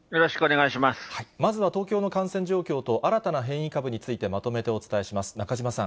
まずは東京の感染状況と、新たな変異株について、まとめてお伝えします。